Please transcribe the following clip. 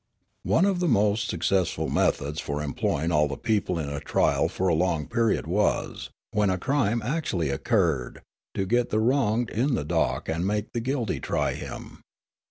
One of the most successful methods for employing all the people in a trial for a long period was, when a crime actually occurred, to get the wronged in the dock and make the guilty try him.